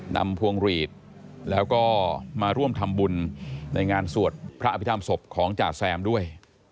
พวงหลีดแล้วก็มาร่วมทำบุญในงานสวดพระอภิษฐรรมศพของจ่าแซมด้วย